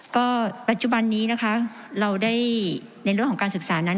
ก็ปัจจุบันนี้นะคะเราได้ในเรื่องของการศึกษานั้น